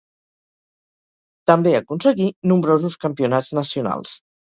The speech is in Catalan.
També aconseguí nombrosos campionats nacionals.